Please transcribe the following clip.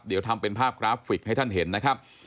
เดี๋ยวทำเป็นภาพกราฟิกให้ท่านเห็นนะครับ